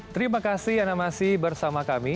terima kasih anda masih bersama kami